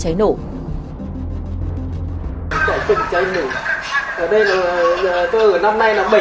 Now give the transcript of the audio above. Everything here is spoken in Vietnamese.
cháy chữa cháy nổ tôi ở năm nay là bảy năm rồi